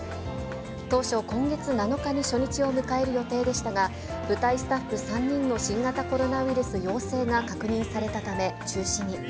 当初、今月７日に初日を迎える予定でしたが、舞台スタッフ３人の新型コロナウイルス陽性が確認されたため、中止に。